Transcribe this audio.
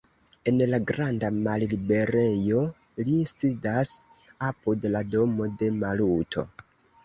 En la granda malliberejo li sidas, apud la domo de Maluto.